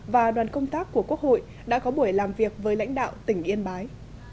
và đoàn công tác của quốc hội đã có buổi làm việc với lãnh đạo tỉnh yên bái